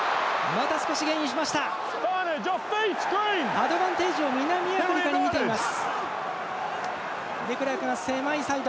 アドバンテージを南アフリカにみています。